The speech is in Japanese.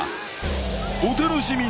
［お楽しみに］